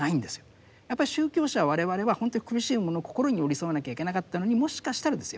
やっぱり宗教者我々はほんとは苦しい者の心に寄り添わなきゃいけなかったのにもしかしたらですよ